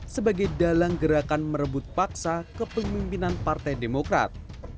sebagai dalang gerakan merebut paksa ke pemimpinan partai demokrat